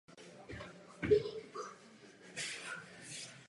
Mendes se angažoval i v odborech.